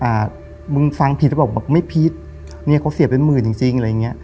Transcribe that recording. อ่ามึงฟังผิดแล้วบอกแบบไม่ผิดเนี้ยเขาเสียเป็นหมื่นจริงจริงอะไรอย่างเงี้ย